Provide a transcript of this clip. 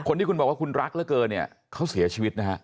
คนที่คุณบอกว่าคุณรักเหลือเกินเนี่ยเขาเสียชีวิตนะฮะ